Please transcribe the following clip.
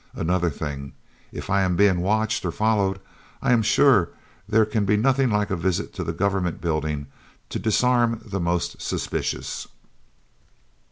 Another thing: if I am being watched or followed, I am sure there can be nothing like a visit to Government Buildings to disarm the most suspicious."